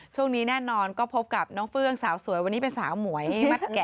ช่วงนี้แน่นอนก็พบกับน้องเฟื่องสาวสวยวันนี้เป็นสาวหมวยที่มัดแก่